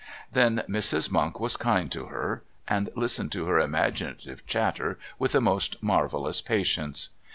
Then Mrs. Monk was kind to her, and listened to her imaginative chatter with a most marvellous patience.